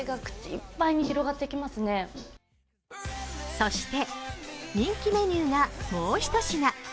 そして人気メニューがもう一品。